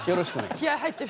気合い入ってる。